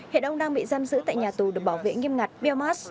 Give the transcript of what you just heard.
hiện ông đang bị giam giữ tại nhà tù được bảo vệ nghiêm ngặt bomars